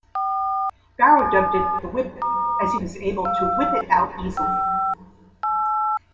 Barrow dubbed it the "Whippit", as he was able to "whip it" out easily.